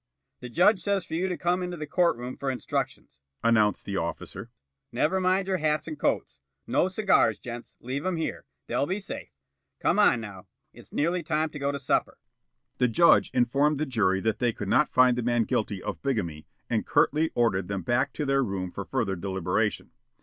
"The judge says for you to come into the court room for instructions," announced the officer. "Never mind your hats and coats. No cigars, gents. Leave 'em here. They'll be safe. Come on, now. It's nearly time to go to supper." The judge informed the jury that they could not find the man guilty of bigamy and curtly ordered them back to their room for further deliberation.